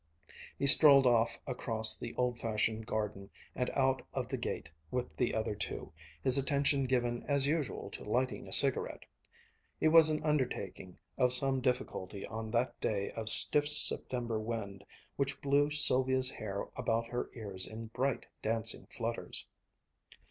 He strolled off across the old fashioned garden and out of the gate with the other two, his attention given as usual to lighting a cigarette. It was an undertaking of some difficulty on that day of stiff September wind which blew Sylvia's hair about her ears in bright, dancing flutters.